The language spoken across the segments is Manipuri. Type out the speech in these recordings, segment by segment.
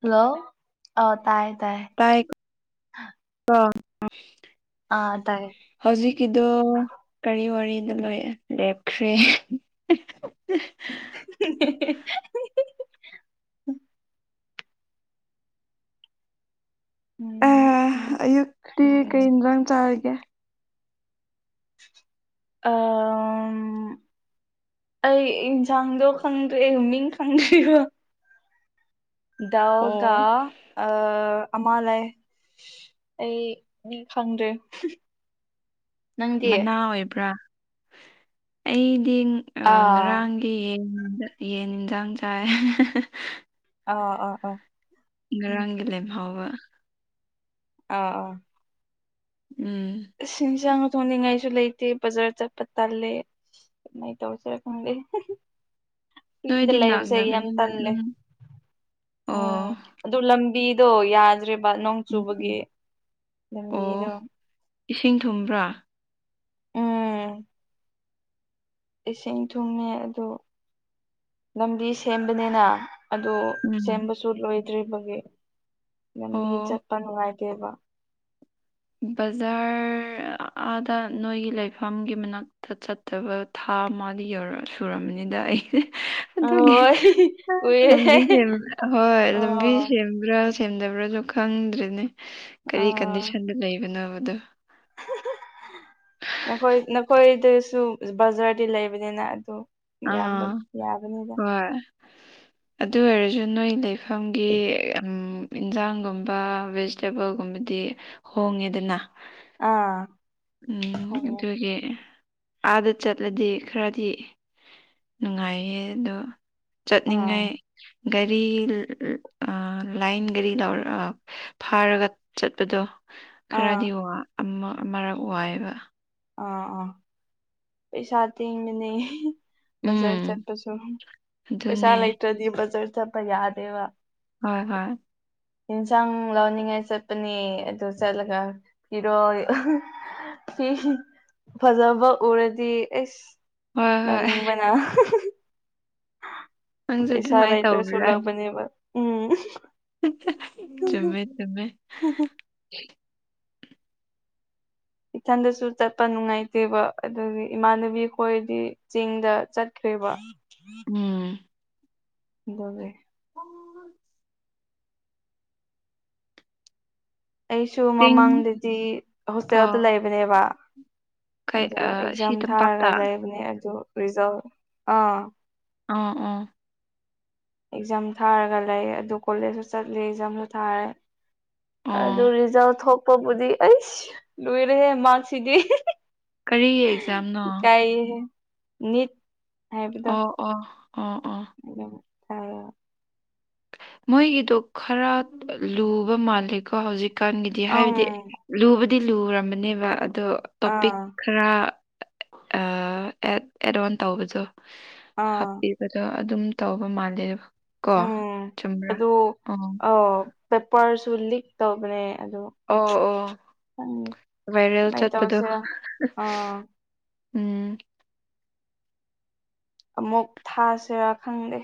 ꯍꯜꯂꯣ ꯑꯣ ꯇꯥꯏꯌꯦ ꯇꯥꯏꯌꯦ ꯇꯥꯏ ꯈꯣ [unintelligible] ꯑꯥ ꯇꯥꯏꯌꯦ ꯍꯧꯖꯤꯛ ꯀꯤꯗꯨ ꯀꯔꯤ ꯋꯥꯔꯤꯅꯣ ꯂꯣꯏ ꯂꯦꯞꯈ꯭ꯔꯦ [inaudible] ꯎꯝ ꯑꯦ ꯑꯣꯀꯦ ꯑꯌꯨꯛꯇꯤ ꯀꯩ ꯏꯟꯖꯥꯡ ꯆꯥꯔꯒꯦ ꯑꯥ ꯑꯩ ꯏꯟꯁꯥꯡꯗꯣ ꯈꯪꯗ꯭ꯔꯦ ꯃꯤꯡ ꯈꯪꯗ꯭ꯔꯤꯕ ꯗꯥꯎ ꯒꯥ ꯑꯣ ꯑꯥ ꯑꯃ ꯂꯩ ꯑꯩ ꯃꯤ ꯈꯪꯗ꯭ꯔꯦ ꯅꯪꯗꯤ ꯃꯅꯥ ꯑꯣꯏꯕ꯭ꯔꯥ ꯑꯩꯗꯤ ꯑꯥ ꯉꯔꯥꯡ ꯌꯦꯟꯗ ꯌꯦꯟ ꯍꯤꯟꯖꯥꯡ ꯆꯥꯏ ꯑꯥ ꯑꯥ ꯑꯥ ꯎꯝ ꯉꯔꯥꯡꯒꯤ ꯂꯦꯝꯍꯧꯕ ꯑꯥ ꯑꯥ ꯎꯝ ꯏꯁꯤꯡꯁꯥꯡ ꯊꯣꯡꯅꯤꯡꯉꯥꯏꯁꯨ ꯂꯩꯇꯦ ꯕꯖꯥꯔ ꯆꯠꯄ ꯇꯜꯂꯦ ꯀꯃꯥꯏ ꯇꯧꯁꯦꯔꯥ ꯈꯪꯗꯦ ꯐꯤꯔꯗ ꯅꯣꯏꯗꯤ ꯂꯩꯕꯁꯦ ꯌꯥꯝ ꯅꯛꯅꯕꯅꯤꯅ ꯑꯗꯨꯝ ꯇꯟꯂꯦ ꯎꯝ ꯑꯣ ꯑꯗꯨ ꯂꯝꯕꯤꯗꯣ ꯌꯥꯗ꯭ꯔꯦꯕ ꯅꯣꯡ ꯆꯨꯕꯒꯤ ꯂꯝꯕꯤꯗꯣ ꯑꯣ ꯏꯁꯤꯡ ꯊꯨꯝꯕ꯭ꯔꯥ ꯎꯝ ꯏꯁꯤꯡ ꯊꯨꯡꯃꯦ ꯑꯗꯨ ꯂꯝꯕꯤ ꯁꯦꯝꯕꯅꯤꯅ ꯑꯗꯣ ꯎꯝ ꯁꯦꯝꯕꯁꯨ ꯂꯣꯏꯗ꯭ꯔꯤꯕꯒꯤ ꯂꯝꯕꯤ ꯑꯣ ꯆꯠꯄ ꯅꯨꯡꯉꯥꯏꯇꯦꯕ ꯕꯖꯥꯔ ꯑꯥꯗ ꯅꯣꯏꯒꯤ ꯂꯩꯐꯝꯒꯤ ꯃꯅꯥꯛꯇ ꯆꯠ ꯐꯠꯇꯕ ꯊꯥ ꯑꯃꯗ ꯌꯧꯔ ꯁꯨꯔꯝꯃꯅꯤꯗ ꯑꯩꯗꯤ ꯑꯗꯨꯒꯤ ꯑꯣꯏ ꯀꯨꯏꯔꯦ ꯂꯝꯕꯤ ꯁꯦꯝꯕ ꯍꯣꯏ ꯂꯝꯕꯤ ꯑꯣ ꯁꯦꯝꯕ꯭ꯔꯥ ꯁꯦꯝꯗꯕ꯭ꯔꯥꯁꯨ ꯈꯪꯗ꯭ꯔꯤꯅꯦ ꯀꯔꯤ ꯑꯥ ꯀꯟꯗꯤꯁꯟꯗ ꯂꯩꯕꯅꯣꯕꯗꯣ ꯅꯈꯣꯏ ꯅꯈꯣꯏꯗꯁꯨ ꯕꯖꯥꯔꯗꯤ ꯂꯩꯕꯅꯤꯅ ꯑꯗꯨ ꯌꯥꯕ ꯑꯥ ꯌꯥꯕꯅꯤꯗ ꯍꯣꯏ ꯑꯗꯨ ꯑꯣꯏꯔꯁꯨ ꯅꯣꯏ ꯂꯩꯐꯝꯒꯤ ꯎꯝ ꯏꯟꯖꯥꯡꯒꯨꯝꯕ ꯚꯦꯖꯤꯇꯦꯕꯜꯒꯨꯝꯕꯗꯤ ꯍꯣꯡꯉꯦꯗꯅ ꯑꯥ ꯎꯝ ꯍꯣꯡꯉꯦ ꯑꯗꯨꯒꯤ ꯑꯥꯗ ꯆꯠꯂꯗꯤ ꯈꯔꯗꯤ ꯅꯨꯡꯉꯥꯏꯌꯦ ꯑꯗꯣ ꯆꯠꯅꯤꯡꯉꯥꯏ ꯑꯥ ꯒꯥꯔꯤ ꯑꯥ ꯂꯥꯏꯟ ꯒꯥꯔꯤ ꯂꯧꯔ ꯐꯥꯔꯒ ꯆꯠꯄꯗꯣ ꯈꯔꯗꯤ ꯑꯥ ꯋꯥ ꯑꯃ ꯑꯃꯔꯛ ꯋꯥꯏꯌꯦꯕꯥ ꯑꯥ ꯑꯥ ꯄꯩꯁꯥ ꯇꯤꯡꯕꯅꯦ ꯕꯖꯥꯔ ꯎꯝ ꯆꯠꯄꯁꯨ ꯑꯗꯨꯅꯦ ꯄꯩꯁꯥ ꯂꯩꯇ꯭ꯔꯗꯤ ꯕꯖꯥꯔ ꯆꯠꯄ ꯌꯥꯗꯦꯕ ꯍꯣꯏ ꯍꯣꯏ ꯍꯤꯟꯖꯪꯟ ꯂꯧꯅꯤꯡꯉꯥꯏ ꯆꯠꯄꯅꯦ ꯑꯗꯨ ꯆꯠꯂꯒ ꯄꯤꯔꯣꯏ ꯐꯤ ꯐꯖꯕ ꯎꯔꯗꯤ ꯑꯩꯁ ꯍꯣꯏ ꯍꯣꯏ ꯂꯧꯅꯤꯡꯕꯅ ꯅꯪꯁꯨ ꯄꯩꯁꯥ ꯑꯗꯨꯃꯥꯏꯅ ꯂꯩꯇꯔꯁꯨ ꯇꯧꯕ꯭ꯔꯥ ꯂꯧꯕꯅꯦꯕ ꯎꯝ ꯆꯨꯝꯃꯦ ꯆꯨꯝꯃꯦ ꯏꯊꯟꯗꯁꯨ ꯆꯠꯄ ꯅꯨꯡꯉꯥꯏꯇꯦꯕ ꯑꯗꯨꯒꯤ ꯏꯃꯥꯟꯅꯕꯤ ꯈꯣꯏꯗꯤ ꯆꯤꯡꯗ ꯆꯠꯈ꯭ꯔꯦꯕ ꯎꯝ ꯑꯗꯨꯒꯤ [inaudible] ꯑꯩꯁꯨ ꯆꯤꯡ ꯃꯃꯥꯡꯗꯗꯤ ꯍꯣꯁꯇꯦꯜꯗ ꯑꯣ ꯂꯩꯕꯅꯦꯕ ꯀꯩ ꯑꯗꯨ ꯑ, ꯁꯤ ꯑꯦꯛꯖꯥꯝ ꯊꯥꯔꯒ ꯇꯝꯄꯥꯛꯇ ꯂꯩꯕꯅꯦ ꯑꯗꯨ ꯔꯤꯖꯜ ꯑꯥ ꯑ ꯑꯣ ꯑꯦꯛꯖꯥꯝ ꯊꯥꯔꯒ ꯂꯩ ꯑꯗꯨ ꯀꯣꯂꯦꯖꯁꯨ ꯆꯠꯂꯤ ꯑꯦꯛꯖꯥꯝꯁꯨ ꯊꯥꯔꯦ ꯑꯗꯨ ꯑꯣ ꯔꯤꯖꯜ ꯊꯣꯛꯄꯕꯨꯗꯤ ꯑꯩꯁ ꯂꯨꯏꯔꯦꯍꯦ ꯃꯥꯛꯁꯤꯗꯤ ꯀꯔꯤꯒꯤ ꯑꯦꯛꯖꯥꯝꯅꯣ ꯏꯀꯥꯏꯌꯦꯍꯦ ꯅꯤꯠ ꯍꯥꯏꯕꯗꯣ ꯑꯣ ꯑꯣ ꯑꯣ ꯑꯣ [inaudible] ꯃꯣꯏꯒꯤꯗꯣ ꯈꯔ ꯂꯨꯕ ꯃꯥꯜꯂꯦꯀꯣ ꯍꯧꯖꯤꯛꯀꯥꯟꯒꯤꯗꯤ ꯍꯥꯏꯕꯗꯤ ꯑꯪ ꯂꯨꯕꯗꯤ ꯂꯨꯔꯝꯃꯥꯅꯦꯕ ꯑꯗꯣ ꯇꯣꯄꯤꯛ ꯑꯥ ꯈꯔ ꯑꯥ ꯑꯦꯗ ꯑꯣꯟ ꯇꯧꯕꯗꯨ ꯑꯥ ꯍꯥꯞꯄꯤꯌꯨ ꯑꯗꯣ ꯑꯗꯨꯝ ꯇꯧꯕ ꯃꯥꯜꯂꯦ ꯀꯣ ꯎꯝ ꯆꯨꯝꯕ꯭ꯔꯥ ꯑꯗꯨ ꯑꯣ ꯑꯥꯎ ꯄꯦꯄꯔꯁꯨ ꯂꯤꯛ ꯇꯧꯕꯅꯦ ꯑꯗꯣ ꯑꯣ ꯑꯣ ꯈꯪꯗꯦ ꯚꯥꯏꯔꯦꯜ ꯀꯃꯥꯏꯅ ꯆꯠꯄꯗꯣ ꯇꯧꯁꯤꯔꯥ ꯑꯥ ꯎꯝ ꯑꯃꯨꯛ ꯊꯥꯁꯤꯔꯥ ꯈꯪꯗꯦ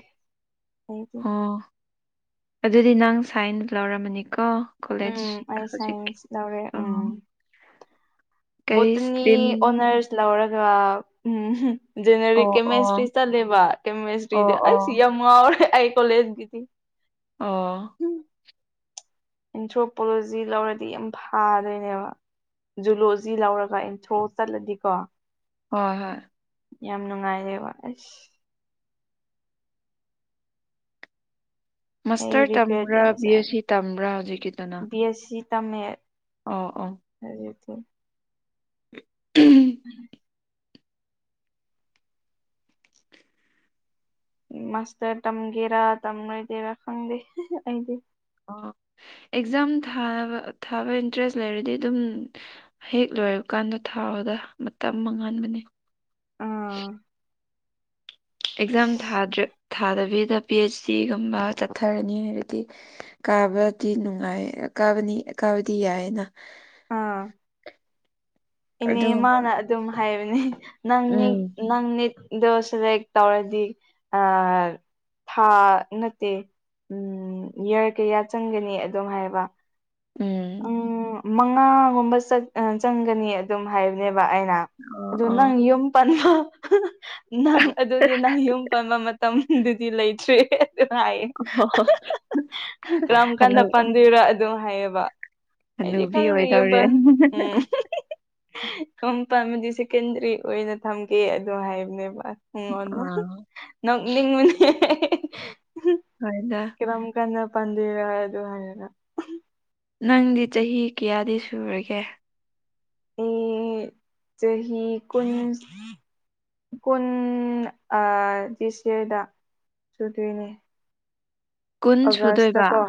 ꯑꯣ ꯑꯗꯨꯗꯤ ꯅꯪ ꯁꯥꯏꯟ ꯂꯧꯔꯝꯃꯅꯤꯀꯣ ꯀꯣꯂꯦꯖ ꯎꯝ ꯑꯩ ꯍꯧꯖꯤꯛꯀꯤ ꯁꯥꯏꯟꯁ ꯂꯧꯔꯦ ꯎꯝ ꯑꯣ ꯀꯔꯤ ꯕꯣꯠꯇꯅꯤ ꯏꯁꯇ꯭ꯔꯤꯝ ꯑꯣꯅꯔꯁ ꯂꯧꯔꯒ ꯎꯝ ꯖꯅꯔꯤꯛ ꯑꯣ ꯑꯣ ꯀꯦꯃꯦꯁꯇ꯭ꯔꯤ ꯆꯠꯂꯦꯕ ꯀꯦꯃꯦꯁꯇ꯭ꯔꯤꯗꯤ ꯑꯣ ꯑꯣ ꯑꯩꯁ ꯌꯥꯝ ꯉꯥꯎꯔꯦ ꯑꯩ ꯀꯣꯂꯦꯖꯒꯤꯗꯤ ꯑꯣ ꯑꯦꯟꯊ꯭ꯔꯣꯄꯣꯂꯣꯖꯤ ꯂꯧꯔꯗꯤ ꯌꯥꯝ ꯐꯥꯗꯣꯏꯅꯦꯕ ꯖꯨꯂꯣꯖꯤ ꯂꯧꯔꯒ ꯑꯦꯟꯊ꯭ꯔꯣ ꯆꯠꯂꯗꯤꯀꯣ ꯍꯣꯏ ꯍꯣꯏ ꯌꯥꯝ ꯅꯨꯡꯉꯥꯏꯔꯦ ꯋꯥ ꯑꯩꯁ ꯑꯩ ꯃꯥꯁꯇꯔ ꯔꯤꯒ꯭ꯔꯦꯠ ꯇꯝꯕ꯭ꯔꯥ ꯌꯥꯝ ꯕꯤ ꯑꯦꯁ ꯆꯥꯔꯦ ꯁꯤ ꯇꯝꯕ꯭ꯔꯥ ꯍꯧꯖꯤꯛꯀꯤꯗꯨꯅ ꯕꯤ ꯑꯦ ꯁꯤ ꯇꯝꯃꯦ ꯑꯣ ꯑꯣ [unintelligible] [unintelligible] [inaudible] ꯃꯥꯁꯇꯔ ꯇꯝꯒꯦꯔꯥ ꯇꯝꯔꯣꯏꯗꯦꯔꯥ ꯈꯪꯗꯦ ꯑꯩꯗꯤ ꯑꯣ ꯑꯦꯛꯖꯥꯝ ꯊꯥꯕ ꯊꯥꯕ ꯏꯟꯇꯔꯦꯁ ꯂꯩꯔꯗꯤ ꯑꯗꯨꯝ ꯍꯦꯛ ꯂꯣꯏꯕꯀꯥꯟꯗ ꯊꯥꯎꯗ ꯃꯇꯝ ꯃꯥꯡꯍꯟꯕꯅꯦ ꯑꯥ ꯑꯦꯛꯖꯥꯝ ꯊꯥꯗꯔ꯭ꯦ ꯊꯥꯗꯕꯤꯗ ꯄꯤ ꯑꯩꯆ ꯗꯤꯒꯨꯝꯕ ꯆꯠꯊꯔꯅꯤ ꯍꯥꯏꯕꯗꯤ ꯀꯥꯕꯗꯤ ꯅꯨꯡꯉꯥꯏ ꯀꯥꯕꯅꯤ ꯀꯥꯕꯗꯤ ꯌꯥꯏꯌꯦꯅ ꯑꯥ ꯏꯅꯦ ꯑꯗꯨꯒꯨꯝꯕ ꯃꯥꯅ ꯑꯗꯨꯝ ꯍꯥꯏꯕꯅꯦ ꯅꯪ ꯅꯤꯛ ꯎꯝ ꯅꯪ ꯅꯤꯇ ꯗꯣ ꯁꯦꯂꯦꯛ ꯇꯧꯔꯗꯤ ꯑꯥ ꯊꯥ ꯅꯠꯇꯦ ꯎꯝ ꯏꯌꯥꯔ ꯀꯌꯥ ꯆꯪꯒꯅꯤ ꯑꯗꯨ ꯍꯥꯏꯕ ꯎꯝ ꯃꯉꯥꯒꯨꯝꯕ ꯆꯇ ꯆꯪꯒꯅꯤ ꯑꯗꯨꯝ ꯍꯥꯏꯕꯅꯦꯕ ꯑꯩꯅ ꯑꯣ ꯑꯗꯨ ꯑꯣ ꯅꯪ ꯌꯨꯝ ꯄꯥꯟꯕ ꯅꯪ ꯑꯗꯨꯗꯤ ꯅꯪ ꯌꯨꯝ ꯄꯥꯟꯕ ꯃꯇꯝꯗꯨꯗꯤ ꯂꯩꯇ꯭ꯔꯦ ꯍꯥꯏꯌꯦ ꯀꯔꯝ ꯍꯅꯨ ꯀꯥꯟꯗ ꯄꯥꯟꯗꯣꯏꯔ ꯑꯗꯨꯝ ꯍꯥꯏꯌꯦꯕ ꯑꯩꯗꯤ ꯍꯅꯨꯕꯤ ꯈꯪꯗ꯭ꯔꯤ ꯌꯨꯝ ꯑꯣꯏꯗꯧꯔꯦ ꯄꯥꯟ ꯎꯝ ꯌꯨꯝ ꯄꯥꯟꯕꯗꯤ ꯁꯦꯀꯦꯟꯗꯔꯤ ꯑꯣꯏꯅ ꯊꯝꯒꯦ ꯑꯗꯨ ꯍꯥꯏꯕꯅꯦꯕ ꯉꯣꯟꯗꯥ ꯑꯥ ꯅꯣꯛꯅꯤꯡꯕꯅꯦ ꯀꯥꯏꯗꯥ ꯀꯅ ꯄꯟꯗꯣꯏꯔꯥ ꯍꯥꯏ ꯑꯗꯨ ꯍꯥꯏꯔꯒꯥ ꯅꯪꯗꯤ ꯆꯍꯤ ꯀꯌꯥꯗꯤ ꯁꯨꯔꯒꯦ ꯑꯩ ꯆꯍꯤ ꯀꯨꯟ ꯀꯨꯟ ꯑꯥ ꯗꯤꯁ ꯌꯔꯗ ꯁꯨꯗꯣꯏꯅꯦ ꯀꯨꯟ ꯑꯒꯁꯇ ꯁꯨꯗꯣꯏꯕ ꯀꯣ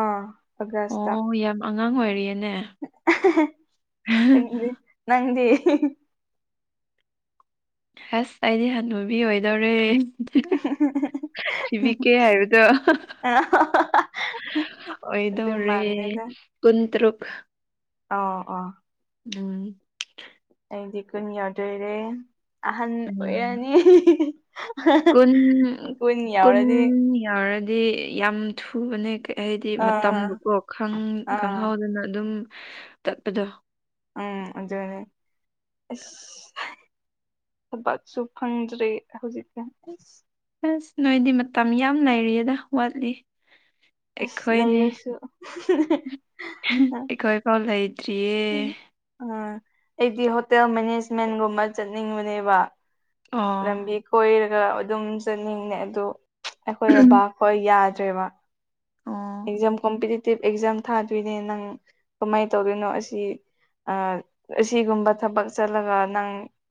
ꯑꯥ ꯑꯒꯁꯇ ꯑꯣ ꯌꯥꯝ ꯑꯉꯥꯡ ꯑꯣꯏꯔꯤꯌꯦꯅꯦ [unintelligible] ꯅꯪꯗꯤ ꯍꯥꯁ ꯑꯩꯗꯤ ꯍꯥꯅꯨꯕꯤ ꯑꯣꯏꯗꯣꯔꯦ [unintelligible] ꯁꯤꯕꯤꯀꯦ ꯍꯥꯏꯕꯗꯨ ꯑꯗꯨ ꯑꯣꯏꯗꯣꯔꯦ ꯃꯥꯟꯗꯦꯗ ꯀꯨꯟꯇꯔꯨꯛ ꯑꯥꯎ ꯑꯣ ꯎꯝ ꯑꯩꯗꯤ ꯀꯨꯟ ꯌꯧꯗꯣꯏꯔꯦ ꯑꯍꯟ ꯎꯝ ꯑꯣꯏꯔꯅꯤ ꯀꯨꯟ ꯀꯨꯟ ꯌꯧꯔꯗꯤ ꯌꯥꯝ ꯊꯨꯕꯅꯦ ꯀꯩ ꯑꯩꯗꯤ ꯑꯥ ꯃꯇꯝꯗꯨꯀꯣ ꯈꯪ ꯑꯥ ꯈꯪꯍꯧꯗꯅ ꯑꯗꯨꯝ ꯆꯠꯄꯗꯣ ꯎꯝ ꯑꯗꯨꯅꯦ ꯏꯁ ꯊꯕꯛꯁꯨ ꯐꯪꯗ꯭ꯔꯦ ꯍꯧꯖꯤꯛꯇꯤ ꯑꯁ ꯅꯣꯏꯗꯤ ꯃꯇꯝ ꯌꯥꯝ ꯂꯩꯔꯤꯌꯦꯗ ꯋꯥꯠꯂꯤ ꯑꯁ ꯑꯩꯈꯣꯏꯅꯦ ꯂꯩꯔꯁꯨ ꯑꯥ ꯑꯩꯈꯣꯏ ꯐꯥꯎ ꯂꯩꯇ꯭ꯔꯤꯌꯦ ꯎꯝ ꯑꯩꯗꯤ ꯍꯣꯇꯦꯜ ꯃꯦꯅꯦꯖꯃꯦꯟꯒꯨꯝꯕ ꯆꯠꯅꯤꯡꯕꯅꯦꯕ ꯑꯣ ꯂꯝꯕꯤ ꯀꯣꯏꯔꯒ ꯑꯗꯨꯝ ꯆꯠꯅꯤꯡꯉꯦ ꯑꯗꯣ ꯑꯩꯈꯣꯏ ꯕꯕꯥ ꯍꯣꯏ ꯌꯥꯗ꯭ꯔꯦ ꯃꯥ ꯑꯣ ꯑꯦꯛꯖꯥꯝ ꯀꯣꯝꯄꯤꯇꯤꯇꯤꯞ ꯑꯦꯛꯖꯥꯝ ꯊꯥꯗꯣꯏꯅꯦ ꯅꯪ ꯀꯃꯥꯏ ꯇꯧꯗꯣꯏꯅꯣ ꯑꯁꯤ ꯑꯥ ꯑꯁꯤꯒꯨꯝꯕ ꯊꯕꯛ ꯆꯠꯂꯒ ꯅꯪ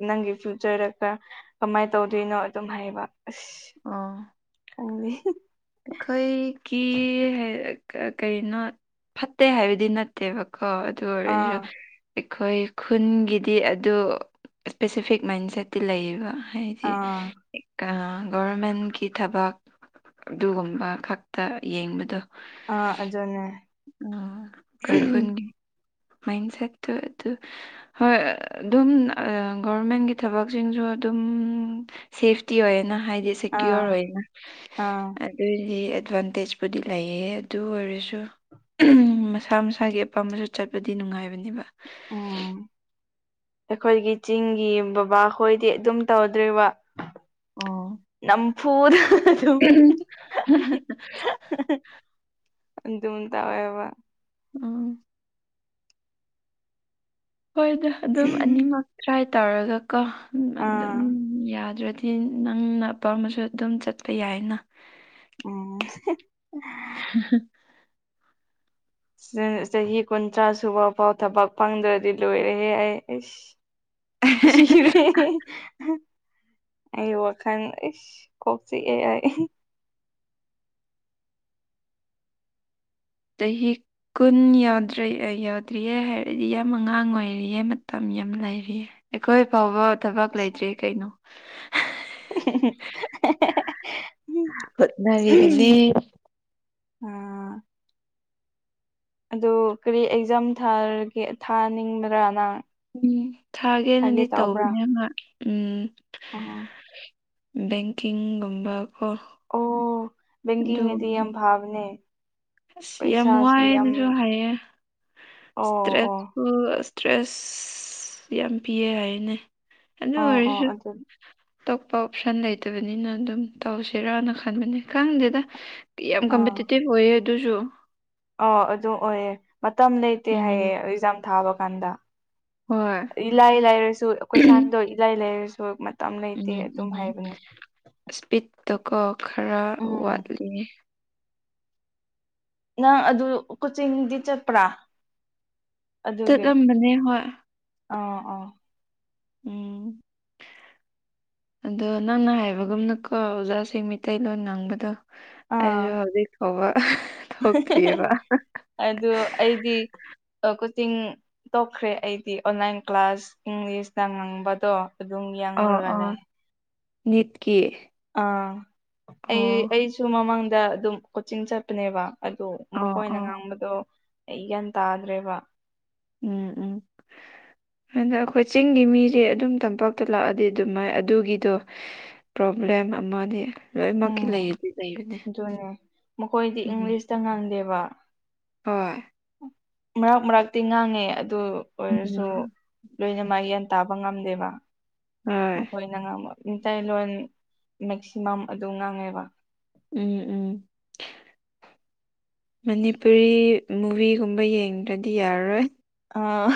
ꯅꯪꯒꯤ ꯐ꯭ꯤꯌꯨꯆꯔꯗ ꯈꯔ ꯀꯃꯥꯏ ꯇꯧꯗꯣꯏꯅꯣ ꯑꯗꯨꯝ ꯍꯥꯏꯕ ꯑꯁ ꯈꯪꯗꯦ ꯑꯈꯣꯏꯒꯤ ꯀꯔꯤꯅꯣ ꯐꯠꯇꯦ ꯍꯥꯏꯕꯗꯤ ꯅꯠ ꯇꯦꯕꯀꯣ ꯑꯗꯨ ꯑꯣꯏꯔꯁꯨ ꯑꯥ ꯑꯩꯈꯣꯏ ꯈꯨꯟꯒꯤꯗꯤ ꯑꯗꯨ ꯁꯄꯦꯁꯤꯐꯤꯛ ꯃꯥꯏꯟꯁꯦꯠꯇꯤ ꯂꯩꯌꯦꯕ ꯍꯥꯏꯗꯤ ꯑꯥ ꯑꯦꯛ ꯑꯥ ꯒꯣꯔꯃꯦꯟꯒꯤ ꯊꯕꯛ ꯑꯗꯨꯒꯨꯝꯕ ꯈꯛꯇ ꯌꯦꯡꯕꯗꯨ ꯑꯥ ꯑꯗꯨꯅꯦ ꯎꯝ ꯑꯈꯣꯏ ꯈꯨꯟꯒꯤ ꯃꯥꯏꯟ ꯁꯦꯠꯇꯨ ꯑꯗꯨ ꯍꯣꯏ ꯑꯗꯨꯝ ꯑꯥ ꯒꯣꯔꯃꯦꯟꯒꯤ ꯊꯕꯛꯁꯤꯡꯁꯨ ꯑꯗꯨꯝ ꯁꯦꯐꯇꯤ ꯑꯣꯏꯌꯦꯅ ꯍꯥꯏꯗꯤ ꯁꯦꯀ꯭ꯌꯨꯔ ꯑꯥ ꯑꯣꯏꯅ ꯑꯥ ꯑꯗꯨꯏꯗꯤ ꯑꯦꯗꯚꯥꯟꯇꯦꯖꯄꯨꯗꯤ ꯂꯩꯌꯦ ꯑꯗꯨ ꯑꯣꯏꯔꯁꯨ ꯎꯝ ꯃꯁꯥ ꯃꯁꯥꯒꯤ ꯑꯄꯥꯝꯕꯁꯨ ꯆꯠꯄꯗꯤ ꯅꯨꯡꯉꯥꯏꯕꯅꯦꯕ ꯎꯝ ꯑꯩꯈꯣꯏꯒꯤ ꯆꯤꯡꯒꯤ ꯕꯕꯥ ꯍꯣꯏꯗꯤ ꯑꯗꯨꯝ ꯇꯧꯗ꯭ꯔꯤꯕ ꯅꯝꯐꯨꯗ ꯑꯗꯨꯝ ꯎꯝ ꯍꯥ ꯍꯥ ꯍꯥ ꯑꯗꯨꯝ ꯇꯧꯋꯦꯕ ꯎꯝ ꯍꯣꯏꯗ ꯑꯗꯨꯝ ꯑꯅꯤꯃꯛ ꯇ꯭ꯔꯥꯏ ꯇꯧꯔꯒ ꯀꯣ ꯑꯗꯨꯝ ꯑꯥ ꯌꯥꯗ꯭ꯔꯗꯤ ꯗꯤ ꯅꯪꯅ ꯑꯄꯥꯝꯕꯁꯨ ꯑꯗꯨꯝ ꯆꯠꯄ ꯌꯥꯏꯅ ꯎꯝ ꯍꯥ ꯍꯥ ꯆꯍꯤ ꯀꯨꯟꯊ꯭ꯔꯥ ꯁꯨꯕ ꯐꯥꯎ ꯊꯕꯛ ꯐꯪꯗ꯭ꯔꯗꯤ ꯂꯣꯏꯔꯦꯍꯦ ꯑꯩ ꯏꯁ ꯁꯤꯔꯦ ꯑꯩ ꯋꯥꯈꯟ ꯏꯁ ꯀꯣꯛ ꯆꯤꯛꯑꯦ ꯑꯩ ꯆꯍꯤꯛ ꯀꯨꯟ ꯌꯥꯗ꯭ꯔꯦ ꯑꯩ ꯌꯥꯗ꯭ꯔꯤꯌꯦ ꯍꯥꯏꯔꯗꯤ ꯌꯥꯝ ꯑꯉꯥꯡ ꯑꯣꯏꯔꯤꯌꯦ ꯃꯇꯝ ꯌꯥꯝ ꯂꯩꯔꯤꯌꯦ ꯑꯩꯈꯣꯏ ꯐꯥꯎꯕ ꯊꯕꯛ ꯂꯩꯇ꯭ꯔꯤ ꯀꯩꯅꯣ [inaudible] ꯍꯣꯠꯅꯔꯤꯕꯅꯦ ꯑꯗꯣ ꯀꯔꯤ ꯑꯦꯛꯖꯥꯝ ꯊꯥꯔꯒꯦ ꯊꯥꯅꯤꯡꯗꯔ꯭ꯥ ꯅꯪ ꯎꯝ ꯊꯥꯒꯦ ꯊꯥꯒꯦꯅꯗꯤ ꯇꯧꯕ꯭ꯔꯥ ꯇꯧꯕꯅꯦ ꯃꯥ ꯎꯝ ꯑꯣ ꯕꯦꯡꯀꯤꯡꯒꯨꯝꯕ ꯀꯣ ꯑꯣ ꯑꯗꯨ ꯕꯦꯡꯀꯤꯡꯅꯗꯤ ꯌꯥꯝ ꯐꯥꯕꯅꯦ ꯑꯁ ꯌꯥꯝ ꯋꯥꯌꯦꯅꯁꯨ ꯍꯥꯏꯌꯦ ꯑꯣ ꯑꯣ ꯁꯇ꯭ꯔꯦꯠꯁꯨ ꯑꯁ ꯇ꯭ꯔꯦꯁ ꯌꯥꯝ ꯄꯤꯌꯦ ꯍꯥꯏꯅꯦ ꯑꯗꯨ ꯑꯥ ꯑꯥ ꯑꯣꯏꯔꯁꯨ ꯑꯗꯨ ꯇꯣꯞꯄ ꯑꯣꯞꯁꯟ ꯂꯩꯇꯕꯅꯤꯅ ꯑꯗꯨꯝ ꯇꯧꯁꯦꯔꯅ ꯈꯟꯕꯅꯤ ꯈꯪꯗꯦꯗ ꯀꯤꯌꯥꯝ ꯀꯝꯄꯤꯇꯤꯇꯤꯚ ꯑꯣꯏꯌꯦ ꯗꯨꯖꯨ ꯑꯥꯎ ꯑꯗꯨ ꯑꯣꯏꯌꯦ ꯃꯇꯝ ꯂꯩꯇꯦ ꯎꯝ ꯍꯥꯏꯌꯦ ꯑꯦꯛꯖꯥꯝ ꯊꯥꯕ ꯀꯥꯟꯗ ꯍꯣꯏ ꯏꯂꯥꯏ ꯂꯥꯏꯔꯁꯨ ꯀꯣꯏꯁꯟꯗꯣ ꯏꯂꯥꯏ ꯂꯥꯏꯔꯁꯨ ꯃꯇꯝ ꯂꯩꯇꯦ ꯑꯗꯨꯝ ꯍꯥꯏꯕꯅꯦ ꯁꯄ꯭ꯤꯠꯇꯣꯀꯣ ꯈꯔ ꯎꯝ ꯋꯥꯠꯂꯤ ꯅꯪ ꯑꯗꯨ ꯀꯣꯆꯤꯡꯗꯤ ꯆꯠꯄ꯭ꯔꯥ ꯑꯗꯨꯒꯤ ꯆꯠꯂꯝꯕꯅꯦ ꯍꯣꯏ ꯑꯥ ꯑꯥ ꯎꯝ ꯑꯗꯣ ꯅꯪꯅ ꯍꯥꯏꯕꯒꯨꯝꯅꯀꯣ ꯑꯣꯖꯥꯁꯤꯡ ꯃꯤꯇꯩꯩꯂꯣꯟ ꯉꯥꯡꯕꯗꯣ ꯑꯩꯖꯨ ꯑꯥ ꯍꯧꯖꯤꯛ ꯐꯥꯎꯕ ꯊꯣꯛꯇ꯭ꯔꯤꯑꯕ ꯑꯗꯨ ꯑꯩꯗꯤ ꯑꯀꯣꯆꯤꯡ ꯇꯣꯛꯈ꯭ꯔꯦ ꯑꯩꯗꯤ ꯑꯣꯟꯂꯥꯏꯟ ꯀ꯭ꯂꯥꯁ ꯏꯪꯂꯤꯁꯅ ꯉꯡꯕꯗꯣ ꯑꯗꯨꯝ ꯌꯥ ꯑ ꯑ ꯅꯤꯠꯀꯤ ꯑꯥ ꯑꯩ ꯑꯣ ꯑꯩꯁꯨ ꯃꯃꯥꯡꯗ ꯑꯗꯨꯝ ꯀꯣꯆꯤꯡ ꯆꯠꯄꯅꯦꯕ ꯑꯗꯣ ꯑꯣ ꯃꯈꯣꯏꯅ ꯑꯣ ꯉꯥꯡꯕꯗꯣ ꯑꯩ ꯒ꯭ꯌꯥꯟ ꯇꯥꯗ꯭ꯔꯦꯕ ꯎꯝ ꯎꯝ ꯑꯗ ꯑꯈꯣꯏ ꯆꯤꯡꯒꯤ ꯃꯤꯖꯤ ꯑꯗꯨꯝ ꯇꯝꯄꯥꯛꯇ ꯂꯥꯛꯑꯗꯤ ꯑꯗꯨꯃꯥꯏ ꯑꯗꯨꯒꯤꯗꯣ ꯄ꯭ꯔꯣꯕ꯭ꯂꯦꯝ ꯑꯃꯅꯤ ꯂꯣꯏꯃꯛꯀꯤ ꯎꯝ ꯂꯩꯗꯤ ꯂꯩꯕꯅꯦ ꯎꯝ ꯆꯡꯉꯥꯡꯗꯦꯕ ꯍꯣꯏ ꯃꯔꯛ ꯃꯔꯛꯇꯤ ꯉꯥꯡꯉꯦ ꯑꯗꯨ ꯑꯣꯏꯔꯁꯨ ꯎꯝ ꯂꯣꯏꯅꯃ ꯒꯌ꯭ꯥꯟ ꯇꯥꯕ ꯉꯝꯗꯦꯕ ꯍꯣꯏ ꯥꯅꯉꯥꯡꯕ ꯃꯤꯇꯩꯂꯣꯟ ꯃꯦꯛꯁꯤꯃꯝ ꯑꯗꯨꯝ ꯉꯥꯡꯉꯦꯕ ꯎꯝ ꯎꯝ ꯃꯅꯤꯄꯨꯔꯤ ꯃꯨꯚꯤꯒꯨꯝꯕ ꯌꯦꯡꯗ꯭ꯔꯗꯤ ꯌꯥꯔꯔꯣꯏ ꯑꯥ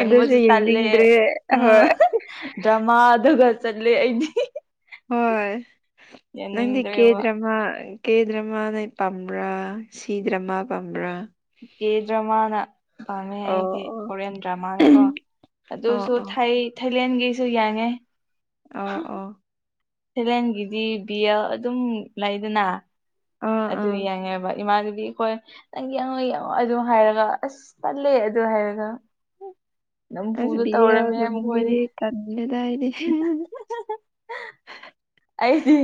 ꯑꯗꯨꯁꯨ ꯇꯜꯂꯦ ꯌꯦꯡꯅꯤꯡꯗ꯭ꯔꯦ ꯑꯥ ꯍꯣꯏ ꯗ꯭ꯔꯃꯥ ꯑꯗꯨꯒ ꯆꯠꯂꯦ ꯑꯩꯗꯤ ꯍꯣꯏ ꯅꯪꯗꯤ ꯀꯦ ꯌꯥꯅꯤꯡꯗ꯭ꯔꯦꯕ ꯗ꯭ꯔꯃꯥ ꯀꯦ ꯗ꯭ꯔꯃꯥ ꯅ ꯄꯥꯝꯕ꯭ꯔꯥ ꯁꯤ ꯗ꯭ꯔꯃꯥ ꯄꯥꯝꯕ꯭ꯔꯥ ꯀꯦ ꯗ꯭ꯔ ꯃꯥꯅ ꯄꯥꯝꯃꯦ ꯑꯣ ꯑꯩꯗꯤ ꯑꯣ ꯀꯣꯔꯤꯌꯟ ꯗ꯭ꯔꯃꯥꯅꯀꯣ ꯑꯣ ꯑꯗꯨꯁꯨ ꯑꯣ ꯊꯥꯏ ꯊꯥꯏꯂꯦꯟꯒꯤꯁꯨ ꯌꯥꯏꯍꯦ ꯑꯎ ꯑꯎ ꯊꯥꯂꯦꯜꯒꯤꯗꯤ ꯕꯤ ꯑꯜ ꯑꯗꯨꯝ ꯂꯩꯗꯅ ꯑꯥ ꯑꯗꯨ ꯑꯥ ꯌꯦꯡꯉꯦꯕ ꯏꯃꯥꯟꯅꯕꯤ ꯈꯣꯏ ꯅꯪ ꯌꯦꯡꯉꯣ ꯌꯦꯡꯉꯣ ꯑꯗꯨ ꯍꯥꯏꯔꯒ ꯑꯁ ꯇꯜꯂꯦ ꯑꯗꯨ ꯍꯥꯏꯔꯒ ꯅꯝꯐꯨꯗ ꯇꯧꯔꯝꯃꯦ ꯃꯈꯣꯏꯗꯤ ꯇꯜꯂꯤꯗ ꯑꯩꯗꯤ ꯑꯩꯗꯤ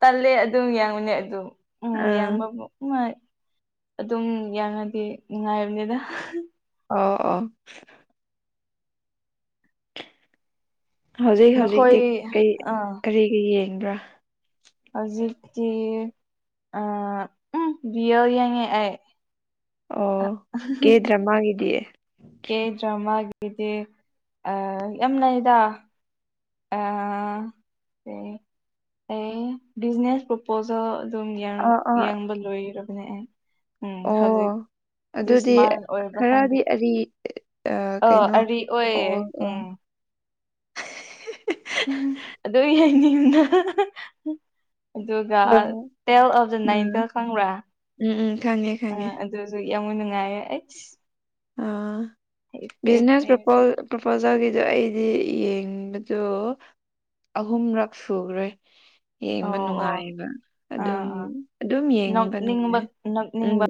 ꯇꯜꯂꯦ ꯑꯗꯨꯝ ꯌꯦꯡꯉꯨꯅꯦ ꯑꯗꯨꯝ ꯎꯝ ꯑꯥ ꯌꯥꯡꯕ ꯅꯪꯡꯉꯥꯏ ꯑꯗꯨꯝ ꯌꯥꯡꯉꯗꯤ ꯅꯨꯡꯉꯥꯏꯕꯅꯤꯗ ꯑꯣ ꯑꯣ ꯍꯧꯖꯤꯛ ꯍꯧꯖꯤꯛꯇꯤ ꯃꯈꯣꯏ ꯀꯔꯤ ꯑꯥ ꯀꯔꯤꯒꯤ ꯌꯦꯡꯕ꯭ꯔꯥ ꯍꯧꯖꯤꯛꯇꯤ ꯑꯥ ꯎꯝ ꯕꯤ ꯑꯜ ꯌꯦꯡꯉꯦ ꯑꯩ ꯑꯣ ꯀꯦꯗ꯭ꯔꯥꯃꯥ ꯒꯤꯗꯤ ꯀꯦ ꯗ꯭ꯔꯃꯥꯒꯤꯗꯤ ꯑꯥ ꯌꯥꯝ ꯂꯩꯌꯦꯗ ꯑꯥ ꯑꯩ ꯕꯤꯖꯅꯦꯁ ꯄꯔꯣ ꯄꯣꯁꯜ ꯑꯗꯨꯝ ꯑꯥ ꯑꯥ ꯌꯦꯡꯕ ꯂꯣꯏꯔꯕꯅꯦ ꯑꯩ ꯎꯝ ꯑꯣ ꯍꯧꯖꯤꯛ ꯑꯗꯨꯗꯤ ꯗꯤꯁꯃꯥꯏꯜ ꯑꯣꯏꯕ꯭ꯔꯥ ꯈꯔꯗꯤ ꯈꯪꯗꯦ ꯑꯔꯤ ꯑꯥ ꯑ ꯀꯩꯅꯣ ꯑꯔꯤ ꯑꯣꯏꯌꯦ ꯑꯣ ꯑꯣ ꯎꯝ ꯑꯗꯨ ꯌꯦꯡꯅꯤꯡꯅ ꯑꯗꯨꯒ ꯎꯝ ꯇꯦꯜ ꯑꯣꯐꯗ ꯅꯥꯏꯟꯇꯦꯜ ꯎꯝ ꯈꯪꯕ꯭ꯔꯥ ꯎꯝ ꯎꯝ ꯈꯪꯉꯦ ꯈꯪꯉꯦ ꯑꯥ ꯑꯗꯨꯁꯨ ꯌꯦꯡꯕ ꯅꯨꯡꯉꯥꯏꯌꯦ ꯑꯩꯁ ꯑꯥ ꯍꯩꯈ꯭ꯔꯦ ꯕꯤꯖꯤꯅꯦꯁ ꯍꯌꯦꯡꯁꯤ꯫ ꯄꯔꯄꯜ ꯄꯔꯄꯣꯖꯦꯜꯒꯤꯗꯣ ꯑꯩꯗꯤ ꯌꯦꯡꯕꯗꯣ ꯑꯍꯨꯝꯔꯛ ꯁꯨꯒꯔꯦ ꯌꯦꯡꯕ ꯑꯣ ꯑꯣ ꯅꯨꯡꯉꯥꯏꯕ ꯑꯥ ꯑꯗꯨꯝ ꯑꯥ ꯑꯗꯨꯝ ꯌꯦꯡꯕ ꯅꯣꯛꯅꯤꯡꯕ ꯅꯨꯡꯉꯥꯏ ꯎꯝ ꯅꯣꯛꯅꯤꯡꯕ